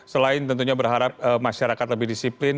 selain tentunya berharap masyarakat lebih disiplin